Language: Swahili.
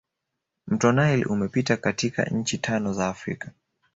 mto nile umepita katika nchi tano za africa